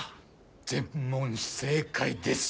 全問正解です。